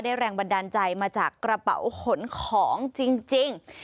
แรงบันดาลใจมาจากกระเป๋าขนของจริง